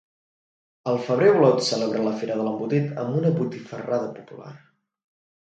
Al febrer Olot celebra la Fira de l'Embotit amb una botifarrada popular.